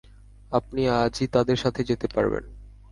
আপনি আজই তাদের সাথে যেতে পারবেন।